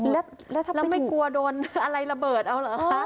แล้วไม่กลัวโดนอะไรระเบิดเอาหรือคะ